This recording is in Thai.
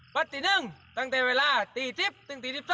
ปัจจุดหนึ่งตั้งแต่เวลาตี๑๐ถึงตี๑๒